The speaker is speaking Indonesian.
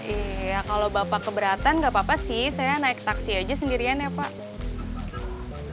iya kalau bapak keberatan nggak apa apa sih saya naik taksi aja sendirian ya pak